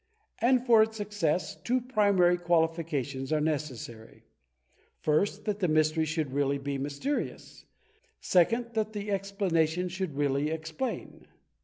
And for its success two primary qualifica tions are necessary, — ^first, that the mystery should really be mysterious; second, that the explanation should really explain.